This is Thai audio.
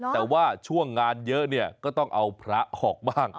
แต่ว่าช่วงงานเยอะเนี่ยก็ต้องเอาพระออกบ้าง